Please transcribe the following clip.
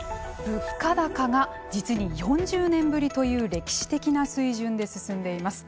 物価高が実に４０年ぶりという歴史的な水準で進んでいます。